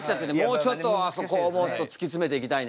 もうちょっとあそこをもっと突き詰めていきたいね。